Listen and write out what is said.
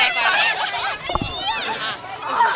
เยอะแล้ว